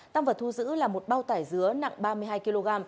tăng vật thu giữ là một bao tải dứa nặng ba mươi hai kg